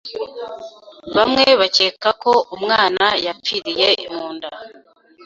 bamwe bakeka ko umwana yapfiriye munda